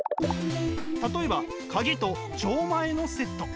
例えばカギと錠前のセット。